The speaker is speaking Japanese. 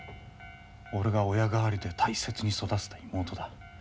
俺が親代わりで大切に育てた妹だ。